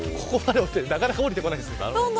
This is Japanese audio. なかなか降りてこないんですけど。